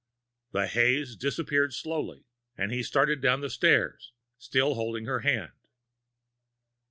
The haze disappeared slowly, and he started down the stairs, still holding her hand.